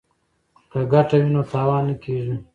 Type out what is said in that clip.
که ګټه وي نو تاوان نه کیږي.